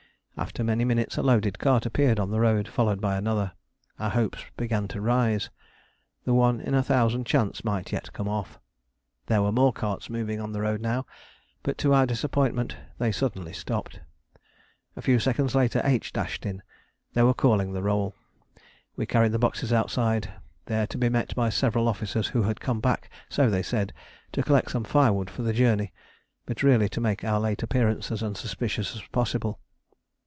After many minutes a loaded cart appeared on the road followed by another. Our hopes began to rise. The one in a thousand chance might yet come off. There were more carts moving on the road now, but to our disappointment they suddenly stopped. A few seconds later H dashed in. They were calling the roll. We carried the boxes outside, there to be met by several officers who had come back, so they said, to collect some firewood for the journey, but really to make our late appearance as unsuspicious as possible.